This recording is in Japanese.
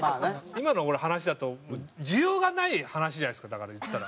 今の話だと需要がない話じゃないですかだから言ったら。